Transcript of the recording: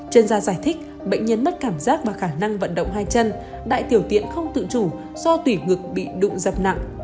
chuyên gia giải thích bệnh nhân mất cảm giác và khả năng vận động hai chân đại tiểu tiện không tự chủ do tủy ngực bị đụng dập nặng